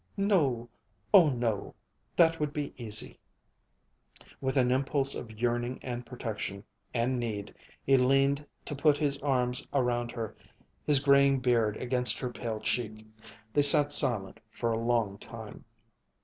"No oh no that would be easy " With an impulse of yearning, and protection, and need, he leaned to put his arms around her, his graying beard against her pale cheek. They sat silent for a long time.